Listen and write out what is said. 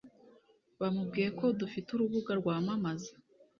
bamubwiye ko dufite urubuga rwamamamza